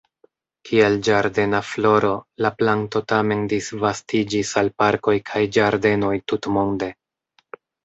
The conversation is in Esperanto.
Kiel ĝardena floro, la planto tamen disvastiĝis al parkoj kaj ĝardenoj tutmonde.